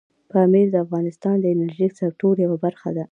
پامیر د افغانستان د انرژۍ سکتور یوه برخه ده.